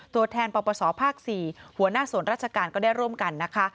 ตัวแทนปปศภาค๔หัวหน้าส่วนราชการก็ได้ร่วมกันนะคะ